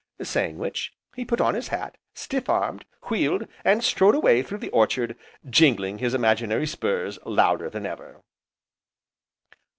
saying which, he put on his hat, stiff armed, wheeled, and strode away through the orchard, jingling his imaginary spurs louder than ever.